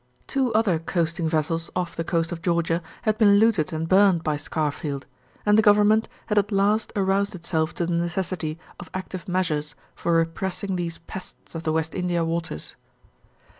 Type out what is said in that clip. Two other coasting vessels off the coast of Georgia had been looted and burned by Scarfield, and the government had at last aroused itself to the necessity of active measures for repressing these pests of the West India waters.